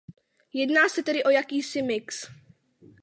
Jedná se tedy o jakýsi mix.